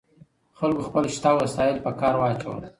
خلګو خپل شته وسایل په کار واچول.